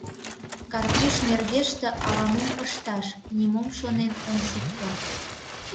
— Карпуш нергеште ала-мом ышташ, нимом шонен ом шукто.